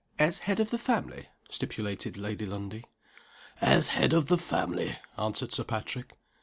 "As head of the family?" stipulated Lady Lundie. "As head of the family!" answered Sir Patrick.